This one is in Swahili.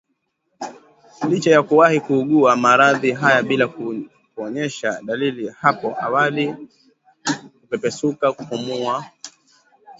licha ya kuwahi kuugua maradhi haya bila kuonyesha dalili hapo awali kupepesuka kupumua kwa